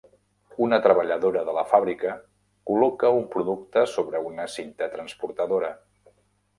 Una treballadora de la fàbrica col·loca un producte sobre una cinta transportadora.